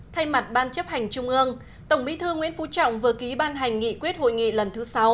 thay mặt ban chấp hành trung ương tổng bí thư nguyễn phú trọng vừa ký ban hành nghị quyết hội nghị lần thứ sáu